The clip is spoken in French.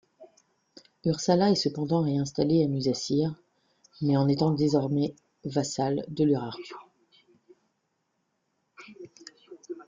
Urzana est cependant réinstallé à Musasir, mais en étant désormais vassal de l'Urartu.